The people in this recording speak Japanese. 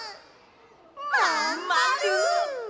まんまる！